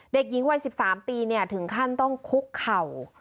เด็กหญิงวัย๑๓ปีถึงขั้นต้องคุกเข่า